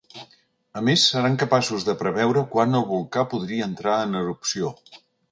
A més, seran capaços de preveure quan el volcà podria entrar en erupció.